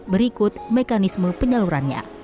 berikut mekanisme penyeluruhannya